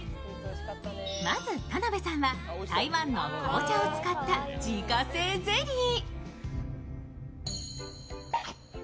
まず田辺さんは台湾の紅茶を使った自家製ゼリー。